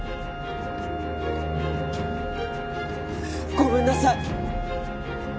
ごめんなさい！